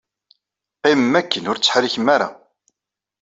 Qqimem akken ur ttḥerrikem ara.